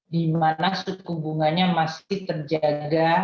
dimana suku bunganya masih terjaga